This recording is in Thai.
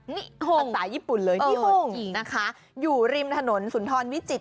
นิห่งพันธาญี่ปุ่นเลยนิห่งนะคะอยู่ริมถนนสุนทรวิจิต